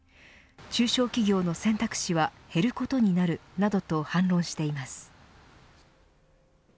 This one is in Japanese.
中小企業の選択肢は減ることになるなどと反論しています。